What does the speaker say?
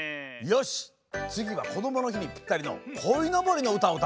よしつぎは「こどもの日」にぴったりのこいのぼりのうたをうたおう。